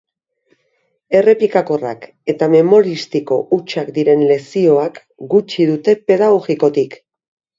Errepikakorrak eta memoristiko hutsak diren lezioak gutxi dute pedagogikotik.